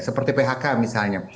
seperti phk misalnya